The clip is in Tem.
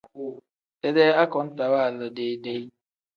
Dedee akontaa waala deyi-deyi.